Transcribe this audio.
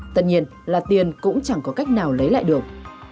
tất nhiên là tiền cũng chẳng có cách nào lấy lại được